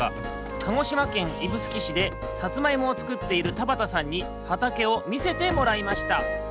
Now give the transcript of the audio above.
鹿児島県指宿市でさつまいもをつくっている田畑さんにはたけをみせてもらいました